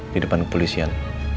di depan kepolisian